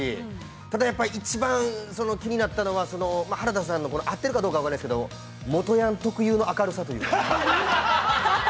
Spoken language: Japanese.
ただ、やっぱり一番気になったのは原田さんのこの、合ってるかどうか分からないですけど、元ヤン特有の明るさというか。